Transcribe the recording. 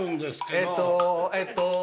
えっとえっと。